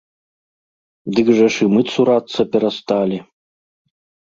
Дык жа ж і мы цурацца перасталі.